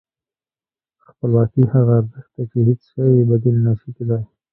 خپلواکي هغه ارزښت دی چې هېڅ شی یې بدیل نه شي کېدای.